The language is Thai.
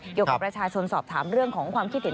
เกี่ยวกับประชาชนสอบถามเรื่องของความคิดเห็น